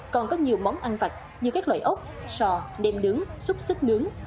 còn có nhiều món ăn vặt như các loại ốc sò đem nướng xúc xích nướng